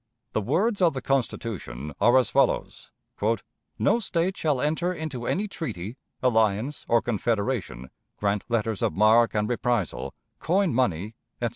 The words of the Constitution are as follows: "No State shall enter into any treaty, alliance, or confederation, grant letters of marque and reprisal, coin money, etc."